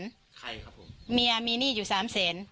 ใครครับผมเมียมีหนี้อยู่สามแสน